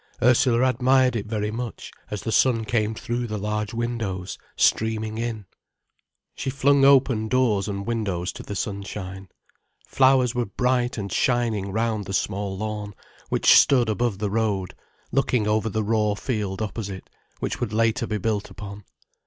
Ursula admired it very much, as the sun came through the large windows, streaming in. She flung open doors and windows to the sunshine. Flowers were bright and shining round the small lawn, which stood above the road, looking over the raw field opposite, which would later be built upon.